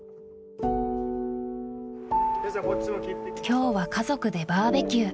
今日は家族でバーベキュー。